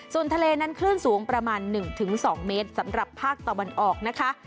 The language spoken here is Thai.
ส่วนทะเลนั้นคลื่นสูงประมาณ๑๒เมตรสำหรับภาคตะวันออกนะคะ